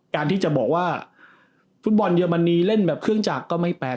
การที่จะบอกว่าฟุตบอลเยอรมนีเล่นแบบเครื่องจักรก็ไม่แปลก